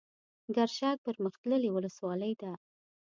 ګرشک پرمختللې ولسوالۍ ده.